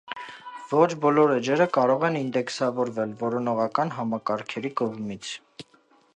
Ոչ բոլոր էջերը կարող են ինդեքսավորվել որոնողական համակարգերի կողմից։